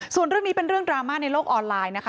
ส่วนเรื่องนี้เป็นเรื่องดราม่าในโลกออนไลน์นะคะ